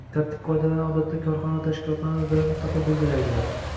tartib-qoidalarni odatda, korxona va tashkilotlar o‘zlari mustaqil tarzda belgilaydilar.